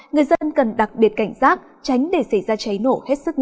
người dân cần đặc biệt cảnh giác tránh để xảy ra cháy nổ hết sức